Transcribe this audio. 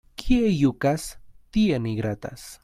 Kie jukas, tie ni gratas.